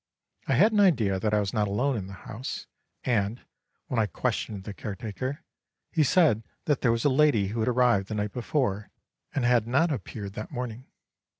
I had an idea that I was not alone in the house, and, when I questioned the caretaker, he said that there was a lady who had arrived the night before and had not appeared that morning.